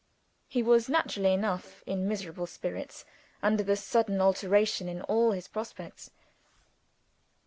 He was, naturally enough, in miserable spirits, under the sudden alteration in all his prospects.